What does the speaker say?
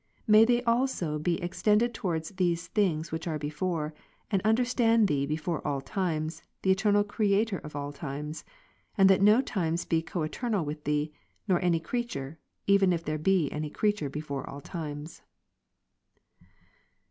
May they also be extended i^'iil 3, towards those things ivhich are before ; and understand Thee before all times, the eternal Creator of all times, and that no times be coeternal with Thee, nor any creature, even if there be any creature before all times.